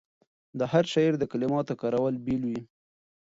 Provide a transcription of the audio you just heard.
د هر شاعر د کلماتو کارول بېل وي.